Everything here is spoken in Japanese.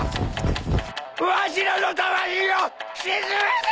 わしらの魂を鎮めてくれ！